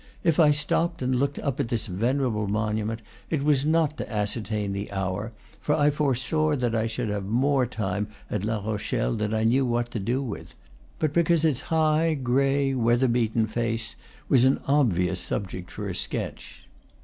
If I stopped and looked up at this venerable monument, it was not to ascertain the hour, for I foresaw that I should have more time at La Rochelle than I knew what to do with; but because its high, gray, weather beaten face was an obvious subject for a sketch.